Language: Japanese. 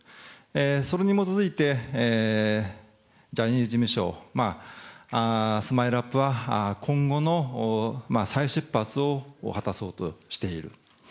それに基づいてジャニーズ事務所、スマイルアップは、今後の再出発を果たそうとしている。